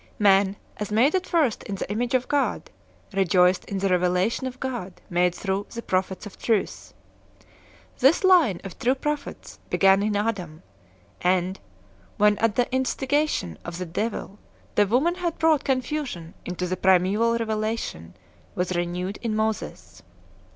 Man, as made at first in the image of God, rejoiced in the revelation of God made through the prophets of truth. This line of true prophets began in Adam, and, when at the instigation of the devil the woman had brought confusion into the primeval reve lation, was renewed in Moses.